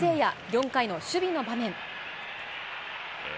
４回の守備の場面。